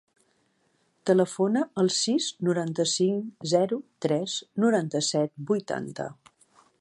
Telefona al sis, noranta-cinc, zero, tres, noranta-set, vuitanta.